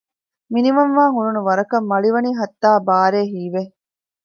މިނިވަންވާން އުޅުނު ވަރަކަށް މަޅި ވަނީ ހައްތާ ބާރޭ ހީވެ